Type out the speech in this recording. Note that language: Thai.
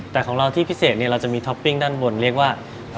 แต่ของเราที่พิเศษเราจะมีท็อปปิ้งด้านบนเรียกว่า